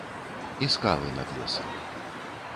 І скалы над лесам.